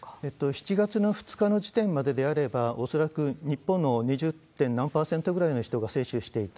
７月の２日の時点までであれば、恐らく日本の２０．何％ぐらいの人が接種していた。